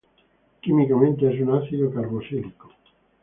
Químicamente es un ácido carboxílico.